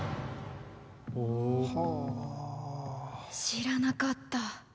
知らなかった。